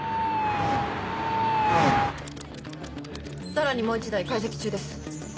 さらにもう１台解析中です。